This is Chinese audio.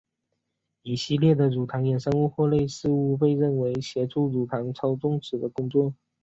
一系列的乳糖衍生物或类似物被认为协助乳糖操纵子的工作。